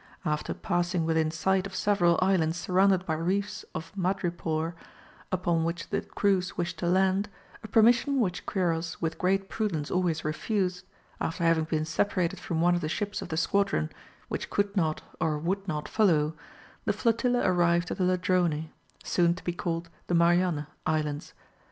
After passing within sight of several islands surrounded by reefs of madrepore, upon which the crews wished to land, a permission which Quiros with great prudence always refused, after having been separated from one of the ships of the squadron, which could not or would not follow, the flotilla arrived at the Ladrone soon to be called the Marianne Islands.